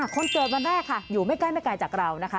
คนเกิดวันแรกค่ะอยู่ไม่ใกล้ไม่ไกลจากเรานะคะ